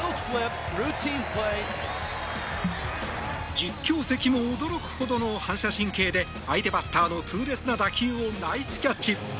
実況席も驚くほどの反射神経で相手バッターの痛烈な打球をナイスキャッチ。